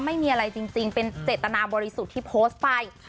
ไม่มีอะไรจริงเป็นเจตนาบริสุทธิ์ที่โพสต์ไป